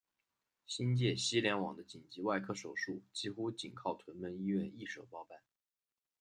新界西联网的紧急外科手术几乎仅靠屯门医院一手包办。